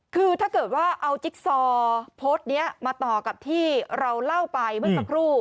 คือถ้าเกิดว่าเอาจิ๊กซอโพสต์นี้มาต่อกับที่เราเล่าไปเมื่อสักครู่